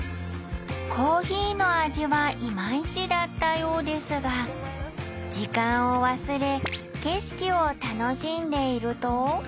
コーヒーの味はイマイチだったようですが間を忘れ景色を楽しんでいると？